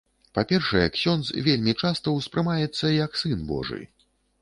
Па-першае, ксёндз вельмі часта ўспрымаецца як сын божы.